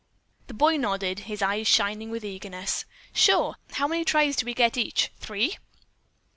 The boy nodded, his eyes shining with eagerness. "Sure! How many tries do we each get? Three?"